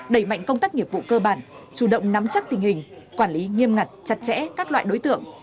đẩy mạnh công tác nghiệp vụ cơ bản chủ động nắm chắc tình hình quản lý nghiêm ngặt chặt chẽ các loại đối tượng